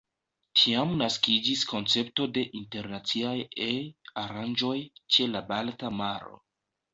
Tiam naskiĝis koncepto de internaciaj E-aranĝoj ĉe la Balta Maro.